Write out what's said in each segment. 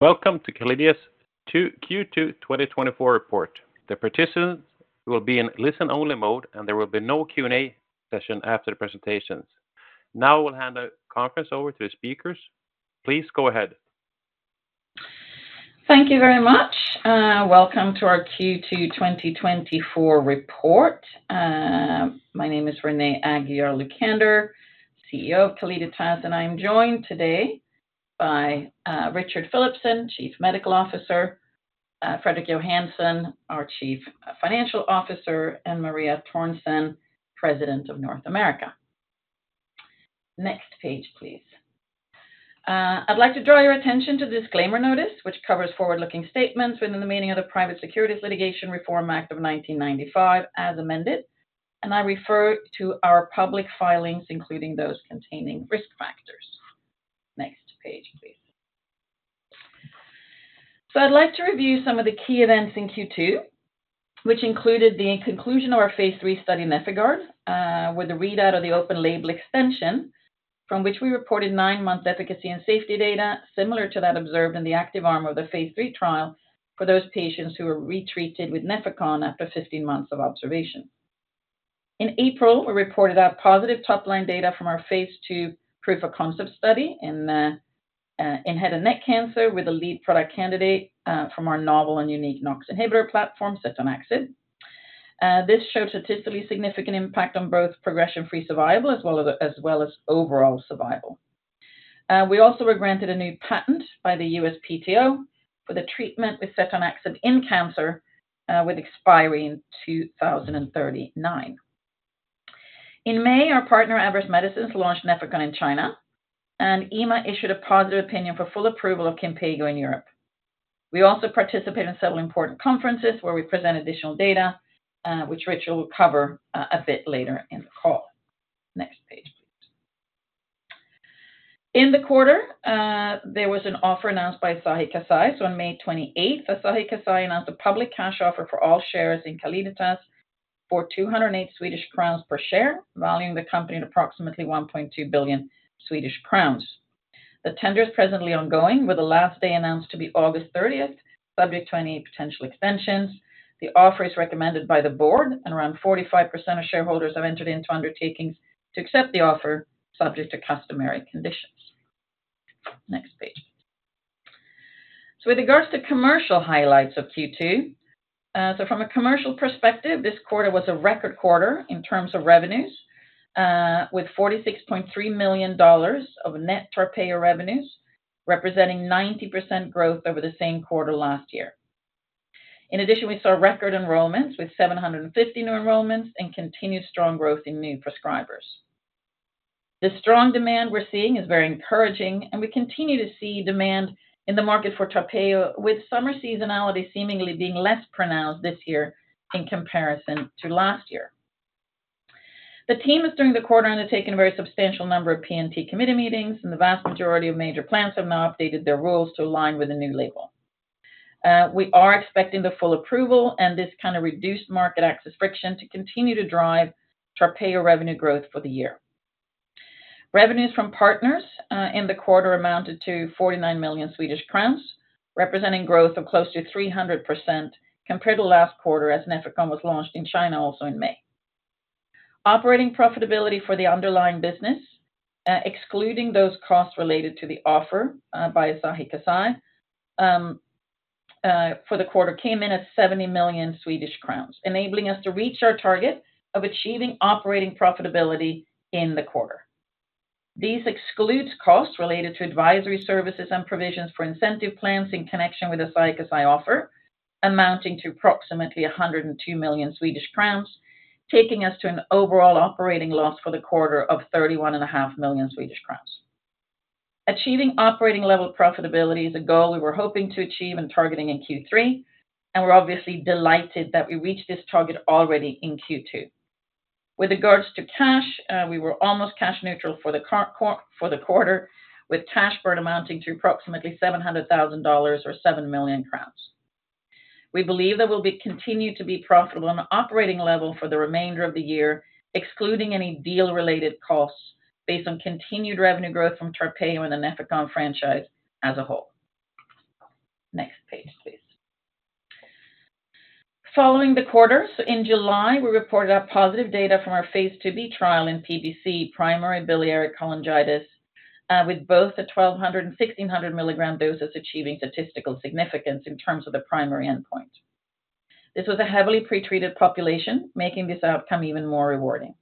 Welcome to Calliditas' Q2 2024 report. The participants will be in listen-only mode, and there will be no Q&A session after the presentations. Now, I will hand the conference over to the speakers. Please go ahead. Thank you very much, welcome to our Q2 2024 report. My name is Renée Aguiar-Lucander, CEO of Calliditas, and I'm joined today by, Richard Philipson, Chief Medical Officer, Fredrik Johansson, our Chief Financial Officer, and Maria Törnsén, President of North America. Next page, please. I'd like to draw your attention to the disclaimer notice, which covers forward-looking statements within the meaning of the Private Securities Litigation Reform Act of 1995, as amended, and I refer to our public filings, including those containing risk factors. Next page, please. So I'd like to review some of the key events in Q2, which included the conclusion of our phase III study NefIgArd, with the readout of the open label extension, from which we reported nine-month efficacy and safety data similar to that observed in the active arm of the phase III trial for those patients who were retreated with Nefecon after 15 months of observation. In April, we reported out positive top-line data from our phase II proof of concept study in head and neck cancer with a lead product candidate from our novel and unique NOX inhibitor platform, Setanaxib. This showed statistically significant impact on both progression-free survival, as well as overall survival. We also were granted a new patent by the USPTO for the treatment with Setanaxib in cancer, with expiry in 2039. In May, our partner, Everest Medicines, launched Nefecon in China, and EMA issued a positive opinion for full approval of Kinpeygo in Europe. We also participated in several important conferences where we presented additional data, which Richard will cover a bit later in the call. Next page, please. In the quarter, there was an offer announced by Asahi Kasei. On May 28th, Asahi Kasei announced a public cash offer for all shares in Calliditas for 208 Swedish crowns per share, valuing the company at approximately 1.2 billion Swedish crowns. The tender is presently ongoing, with the last day announced to be August 30th, subject to any potential extensions. The offer is recommended by the board, and around 45% of shareholders have entered into undertakings to accept the offer, subject to customary conditions. Next page. So with regards to commercial highlights of Q2, so from a commercial perspective, this quarter was a record quarter in terms of revenues, with $46.3 million of net TARPEYO revenues, representing 90% growth over the same quarter last year. In addition, we saw record enrollments with 750 new enrollments and continued strong growth in new prescribers. The strong demand we're seeing is very encouraging, and we continue to see demand in the market for TARPEYO, with summer seasonality seemingly being less pronounced this year in comparison to last year. The team is, during the quarter, undertaken a very substantial number of P&T committee meetings, and the vast majority of major plans have now updated their rules to align with the new label. We are expecting the full approval and this kinda reduced market access friction to continue to drive TARPEYO revenue growth for the year. Revenues from partners in the quarter amounted to 49 million Swedish crowns, representing growth of close to 300% compared to last quarter, as Nefecon was launched in China also in May. Operating profitability for the underlying business, excluding those costs related to the offer by Asahi Kasei, for the quarter, came in at 70 million Swedish crowns, enabling us to reach our target of achieving operating profitability in the quarter. These excludes costs related to advisory services and provisions for incentive plans in connection with Asahi Kasei offer, amounting to approximately 102 million Swedish crowns, taking us to an overall operating loss for the quarter of 31.5 million Swedish crowns. Achieving operating level profitability is a goal we were hoping to achieve in targeting in Q3, and we're obviously delighted that we reached this target already in Q2. With regards to cash, we were almost cash neutral for the quarter, with cash burn amounting to approximately $700,000 or 7 million crowns. We believe that we'll be continued to be profitable on an operating level for the remainder of the year, excluding any deal-related costs based on continued revenue growth from TARPEYO and the Nefecon franchise as a whole. Next page, please. Following the quarter, so in July, we reported out positive data from our phase IIb trial in PBC, primary biliary cholangitis, with both the 1,200 mg and 1,600 mg doses achieving statistical significance in terms of the primary endpoint. This was a heavily pretreated population, making this outcome even more rewarding.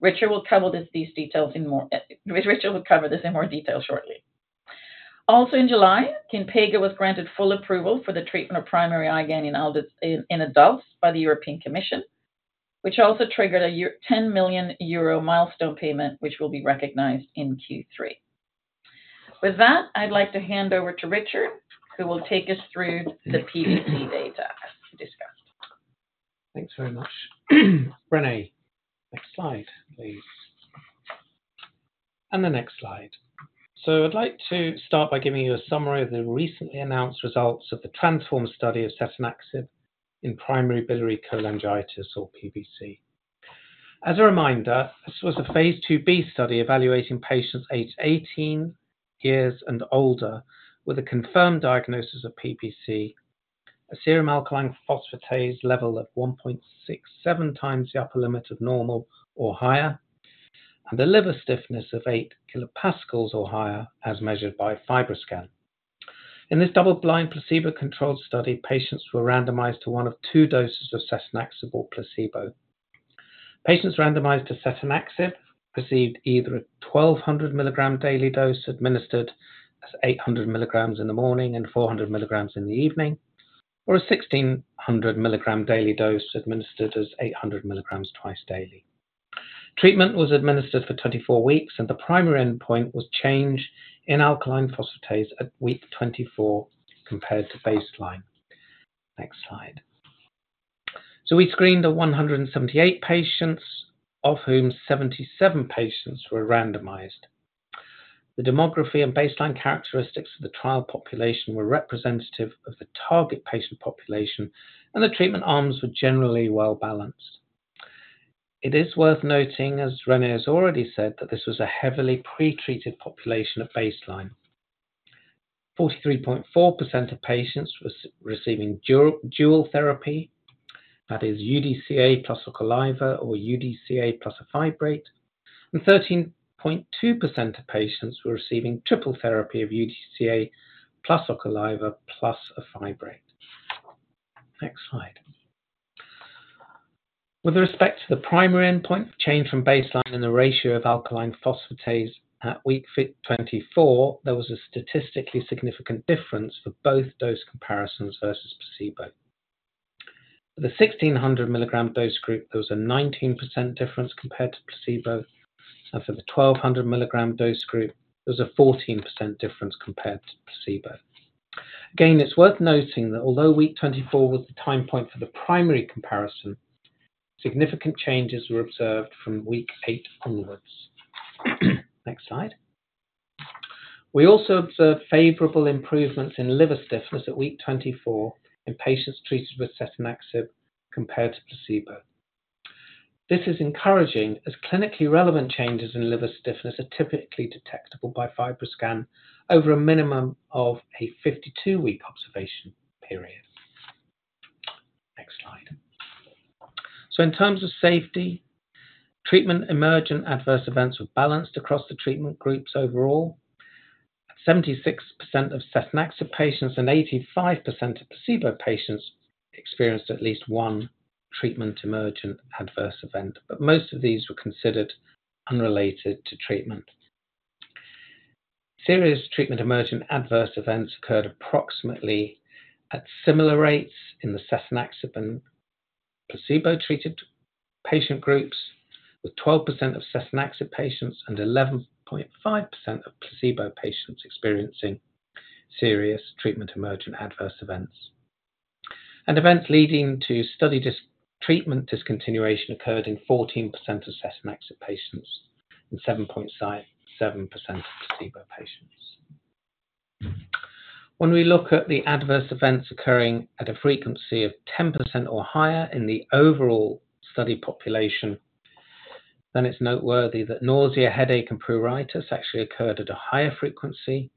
Richard will cover these details in more detail shortly. Also, in July, Kinpeygo was granted full approval for the treatment of primary IgA in adults by the European Commission, which also triggered a 10 million euro milestone payment, which will be recognized in Q3. With that, I'd like to hand over to Richard, who will take us through the PBC data as discussed. Thanks very much, Renée. Next slide, please. The next slide. So I'd like to start by giving you a summary of the recently announced results of the TRANSFORM study of Setanaxib in primary biliary cholangitis or PBC. ...As a reminder, this was a phase IIb study evaluating patients aged 18 years and older with a confirmed diagnosis of PBC, a serum alkaline phosphatase level of 1.67x the upper limit of normal or higher, and a liver stiffness of 8 kPa or higher as measured by FibroScan. In this double-blind, placebo-controlled study, patients were randomized to one of two doses of Setanaxib or placebo. Patients randomized to Setanaxib received either a 1200 mg daily dose administered as 800 mg in the morning and 400 mg in the evening, or a 1600 mg daily dose administered as 800 mg twice daily. Treatment was administered for 24 weeks, and the primary endpoint was change in alkaline phosphatase at week 24 compared to baseline. Next slide. So we screened the 178 patients, of whom 77 patients were randomized. The demography and baseline characteristics of the trial population were representative of the target patient population, and the treatment arms were generally well-balanced. It is worth noting, as Renée has already said, that this was a heavily pretreated population at baseline. 43.4% of patients was receiving dual therapy, that is UDCA plus ursodeoxycholic or UDCA plus a fibrate, and 13.2% of patients were receiving triple therapy of UDCA plus ursodeoxycholic plus a fibrate. Next slide. With respect to the primary endpoint, change from baseline in the ratio of alkaline phosphatase at week 24, there was a statistically significant difference for both dose comparisons versus placebo. The 1,600 mg dose group, there was a 19% difference compared to placebo, and for the 1,200 mg dose group, there was a 14% difference compared to placebo. Again, it's worth noting that although week 24 was the time point for the primary comparison, significant changes were observed from week 8 onwards. Next slide. We also observed favorable improvements in liver stiffness at week 24 in patients treated with Setanaxib compared to placebo. This is encouraging, as clinically relevant changes in liver stiffness are typically detectable by FibroScan over a minimum of a 52-week observation period. Next slide. So in terms of safety, treatment emergent adverse events were balanced across the treatment groups overall. 76% of Setanaxib patients and 85% of placebo patients experienced at least one treatment emergent adverse event, but most of these were considered unrelated to treatment. Serious treatment emergent adverse events occurred approximately at similar rates in the Setanaxib and placebo-treated patient groups, with 12% of Setanaxib patients and 11.5% of placebo patients experiencing serious treatment emergent adverse events. And events leading to study discontinuation occurred in 14% of Setanaxib patients and 7.7% of placebo patients. When we look at the adverse events occurring at a frequency of 10% or higher in the overall study population, then it's noteworthy that nausea, headache, and pruritus actually occurred at a higher frequency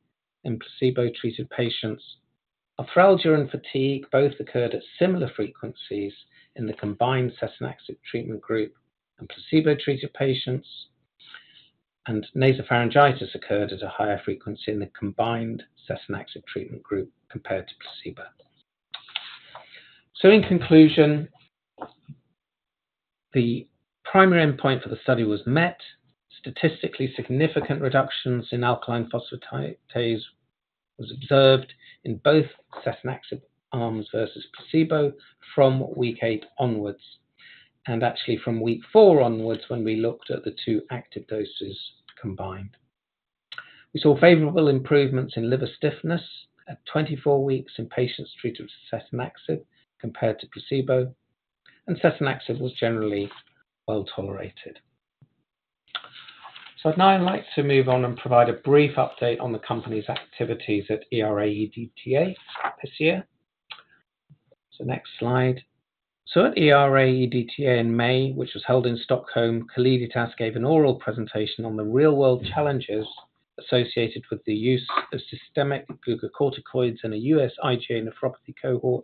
in placebo-treated patients. Arthralgia and fatigue both occurred at similar frequencies in the combined Setanaxib treatment group and placebo-treated patients, and nasopharyngitis occurred at a higher frequency in the combined Setanaxib treatment group compared to placebo. So in conclusion, the primary endpoint for the study was met. Statistically significant reductions in alkaline phosphatase was observed in both Setanaxib arms versus placebo from week 8 onwards, and actually from week 4 onwards when we looked at the two active doses combined. We saw favorable improvements in liver stiffness at 24 weeks in patients treated with Setanaxib compared to placebo, and Setanaxib was generally well-tolerated. So now I'd like to move on and provide a brief update on the company's activities at ERA-EDTA this year. So next slide. So at ERA-EDTA in May, which was held in Stockholm, Calliditas gave an oral presentation on the real-world challenges associated with the use of systemic glucocorticoids in a US IgA nephropathy cohort.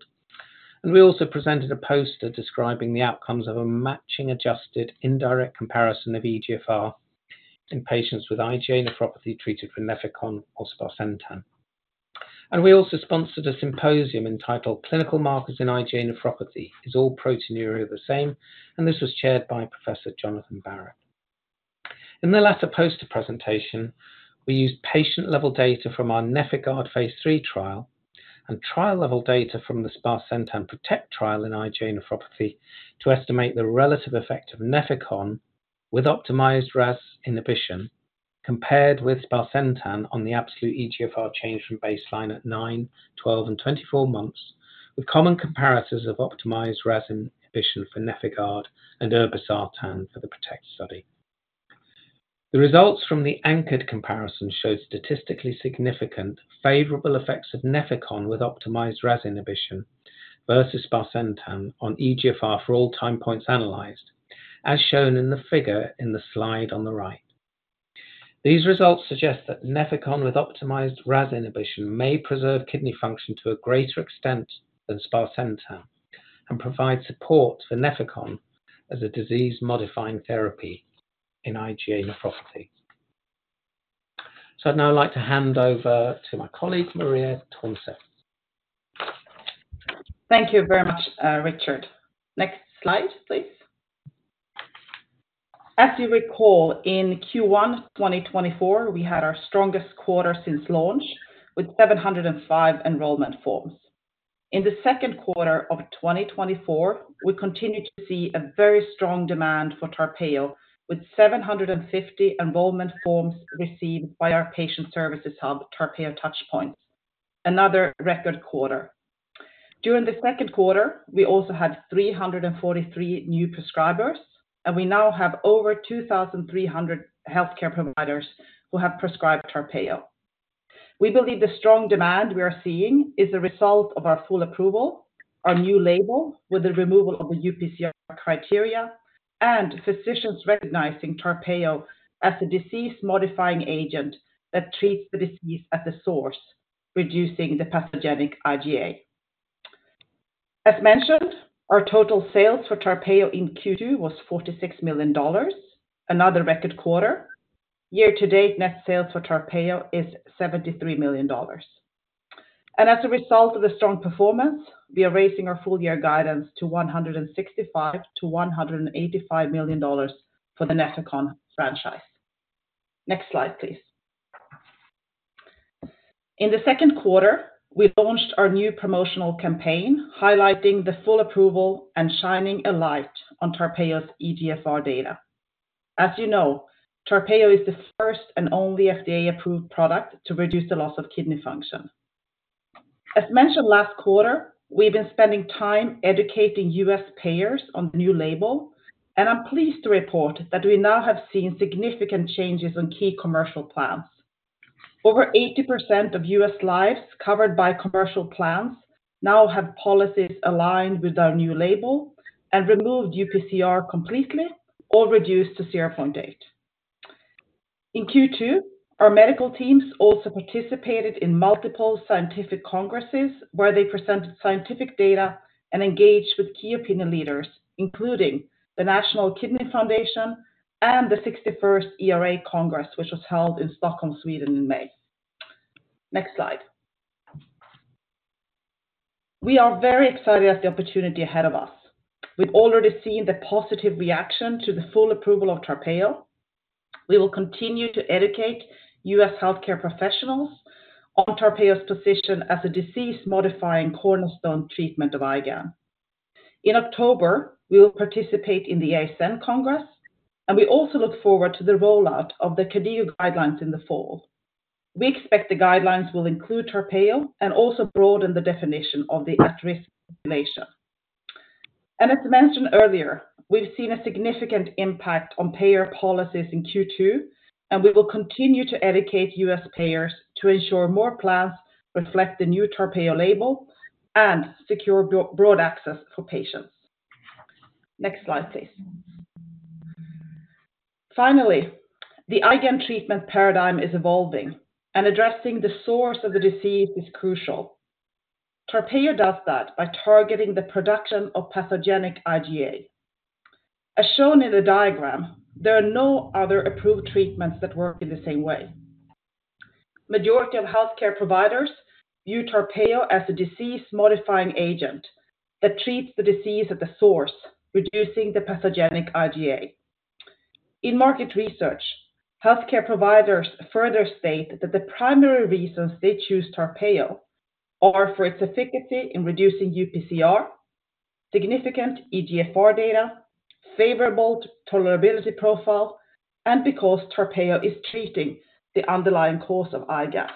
And we also presented a poster describing the outcomes of a matching-adjusted indirect comparison of eGFR in patients with IgA nephropathy treated with Nefecon or sparsentan. We also sponsored a symposium entitled, "Clinical Markers in IgA Nephropathy: Is All Proteinuria the Same?" This was chaired by Professor Jonathan Barratt. In the latter poster presentation, we used patient-level data from our NefIgArd phase III trial and trial-level data from the sparsentan PROTECT trial in IgA nephropathy to estimate the relative effect of Nefecon with optimized RAS inhibition, compared with sparsentan on the absolute eGFR change from baseline at 9, 12 months, and 24 months, with common comparisons of optimized RAS inhibition for NefIgArd and irbesartan for the PROTECT study. The results from the anchored comparison showed statistically significant, favorable effects of Nefecon with optimized RAS inhibition versus valsartan on eGFR for all time points analyzed, as shown in the figure in the slide on the right. These results suggest that Nefecon with optimized RAS inhibition may preserve kidney function to a greater extent than Valsartan, and provide support for Nefecon as a disease-modifying therapy in IgA nephropathy. So I'd now like to hand over to my colleague, Maria Törnsén. Thank you very much, Richard. Next slide, please. As you recall, in Q1 2024, we had our strongest quarter since launch, with 705 enrollment forms. In the second quarter of 2024, we continued to see a very strong demand for TARPEYO, with 750 enrollment forms received by our patient services hub, TARPEYO Touchpoint, another record quarter. During the second quarter, we also had 343 new prescribers, and we now have over 2,300 healthcare providers who have prescribed TARPEYO. We believe the strong demand we are seeing is a result of our full approval, our new label, with the removal of the UPCR criteria, and physicians recognizing TARPEYO as a disease-modifying agent that treats the disease at the source, reducing the pathogenic IgA. As mentioned, our total sales for TARPEYO in Q2 was $46 million, another record quarter. Year to date, net sales for TARPEYO is $73 million. As a result of the strong performance, we are raising our full year guidance to $165 million-$185 million for the Nefecon franchise. Next slide, please. In the second quarter, we launched our new promotional campaign, highlighting the full approval and shining a light on TARPEYO's eGFR data. As you know, TARPEYO is the first and only FDA-approved product to reduce the loss of kidney function. As mentioned last quarter, we've been spending time educating U.S. payers on the new label, and I'm pleased to report that we now have seen significant changes on key commercial plans. Over 80% of U.S. lives covered by commercial plans now have policies aligned with our new label and removed UPCR completely or reduced to 0.8. In Q2, our medical teams also participated in multiple scientific congresses, where they presented scientific data and engaged with key opinion leaders, including the National Kidney Foundation and the 61st ERA Congress, which was held in Stockholm, Sweden, in May. Next slide. We are very excited at the opportunity ahead of us. We've already seen the positive reaction to the full approval of TARPEYO. We will continue to educate U.S. healthcare professionals on TARPEYO's position as a disease-modifying cornerstone treatment of IgA. In October, we will participate in the ASN Congress, and we also look forward to the rollout of the KDIGO guidelines in the fall. We expect the guidelines will include TARPEYO and also broaden the definition of the at-risk population. And as mentioned earlier, we've seen a significant impact on payer policies in Q2, and we will continue to educate US payers to ensure more plans reflect the new TARPEYO label and secure broad access for patients. Next slide, please. Finally, the IgA treatment paradigm is evolving, and addressing the source of the disease is crucial. TARPEYO does that by targeting the production of pathogenic IgA. As shown in the diagram, there are no other approved treatments that work in the same way. Majority of healthcare providers view TARPEYO as a disease-modifying agent that treats the disease at the source, reducing the pathogenic IgA. In market research, healthcare providers further state that the primary reasons they choose TARPEYO are for its efficacy in reducing UPCR, significant eGFR data, favorable tolerability profile, and because TARPEYO is treating the underlying cause of IgA.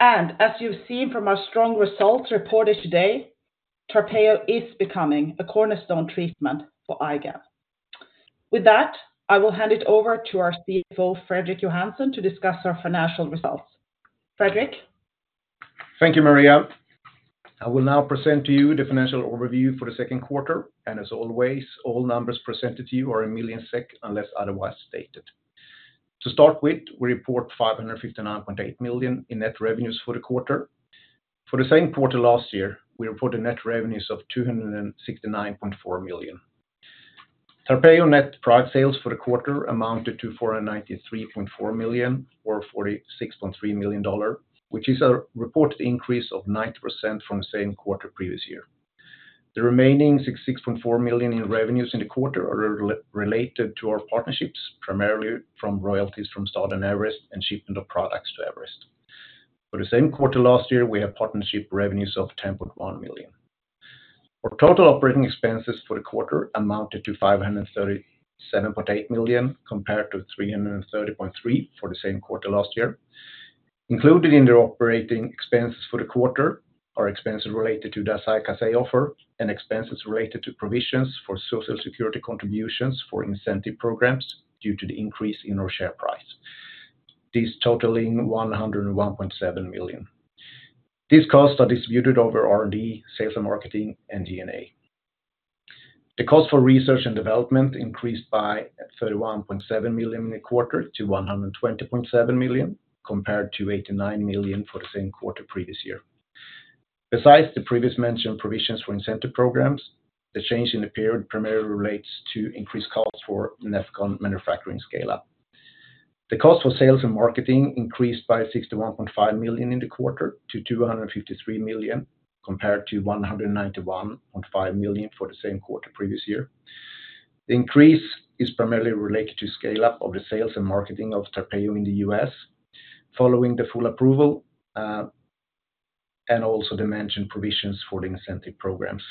As you've seen from our strong results reported today, TARPEYO is becoming a cornerstone treatment for IgA. With that, I will hand it over to our CFO, Fredrik Johansson, to discuss our financial results. Fredrik? Thank you, Maria. I will now present to you the financial overview for the second quarter, and as always, all numbers presented to you are in millions of SEK, unless otherwise stated. To start with, we report 559.8 million in net revenues for the quarter. For the same quarter last year, we reported net revenues of 269.4 million. TARPEYO net product sales for the quarter amounted to 493.4 million, or $46.3 million, which is a reported increase of 90% from the same quarter previous year. The remaining 6.4 million in revenues in the quarter are related to our partnerships, primarily from royalties from STADA and Everest, and shipment of products to Everest. For the same quarter last year, we had partnership revenues of 10.1 million. Our total operating expenses for the quarter amounted to 537.8 million, compared to 330.3 million for the same quarter last year. Included in the operating expenses for the quarter are expenses related to the Asahi Kasei offer and expenses related to provisions for Social Security contributions for incentive programs due to the increase in our share price. These totaling 101.7 million. These costs are distributed over R&D, sales and marketing, and G&A. The cost for research and development increased by 31.7 million in the quarter to 120.7 million, compared to 89 million for the same quarter previous year. Besides the previous mention, provisions for incentive programs, the change in the period primarily relates to increased costs for Nefecon manufacturing scale-up. The cost for sales and marketing increased by 61.5 million in the quarter to 253 million, compared to 191.5 million for the same quarter previous year. The increase is primarily related to scale-up of the sales and marketing of Tarpeyo in the US, following the full approval, and also the mentioned provisions for the incentive programs.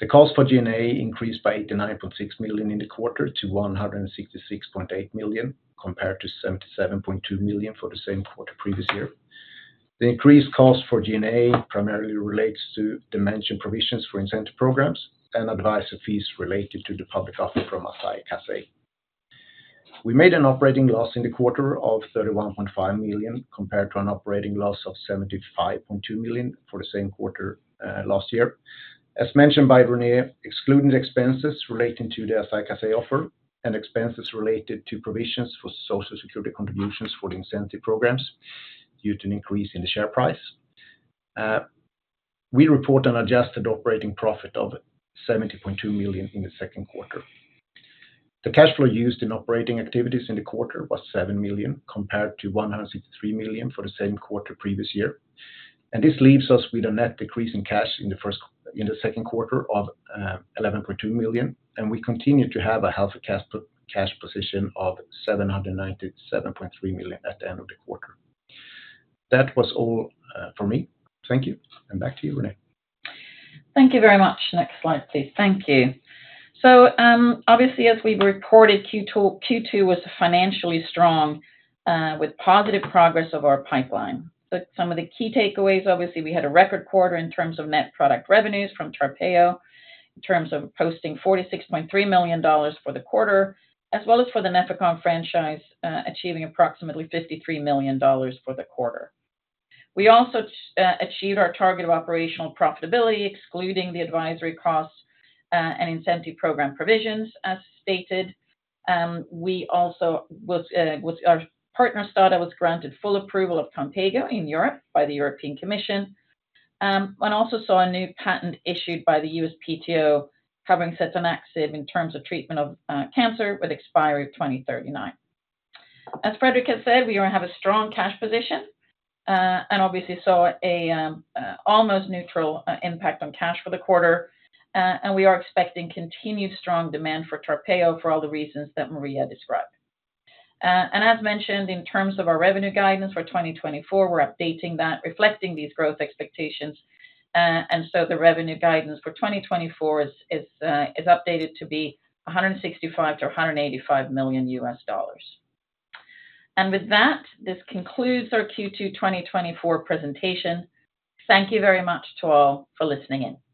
The cost for G&A increased by 89.6 million in the quarter to 166.8 million, compared to 77.2 million for the same quarter previous year. The increased cost for G&A primarily relates to dimension provisions for incentive programs and advisory fees related to the public offer from Asahi Kasei. We made an operating loss in the quarter of 31.5 million, compared to an operating loss of 75.2 million for the same quarter last year. As mentioned by Renée, excluding the expenses relating to the Asahi Kasei offer and expenses related to provisions for Social Security contributions for the incentive programs due to an increase in the share price, we report an adjusted operating profit of 70.2 million in the second quarter. The cash flow used in operating activities in the quarter was 7 million, compared to 163 million for the same quarter previous year. This leaves us with a net decrease in cash in the second quarter of 11.2 million, and we continue to have a healthy cash position of 797.3 million at the end of the quarter. That was all for me. Thank you, and back to you, Renée. Thank you very much. Next slide, please. Thank you. Obviously, as we've reported, Q2 was financially strong, with positive progress of our pipeline. Some of the key takeaways, obviously, we had a record quarter in terms of net product revenues from TARPEYO, in terms of posting $46.3 million for the quarter, as well as for the Nefecon franchise, achieving approximately $53 million for the quarter. We also achieved our target of operational profitability, excluding the advisory costs, and incentive program provisions, as stated. Our partner, STADA, was granted full approval of Kinpeygo in Europe by the European Commission, and also saw a new patent issued by the USPTO covering Setanaxib in terms of treatment of cancer, with expiry of 2039. As Fredrik has said, we have a strong cash position, and obviously saw an almost neutral impact on cash for the quarter, and we are expecting continued strong demand for TARPEYO for all the reasons that Maria described. And as mentioned, in terms of our revenue guidance for 2024, we're updating that, reflecting these growth expectations. And so the revenue guidance for 2024 is updated to be $165 million-$185 million. And with that, this concludes our Q2 2024 presentation. Thank you very much to all for listening in.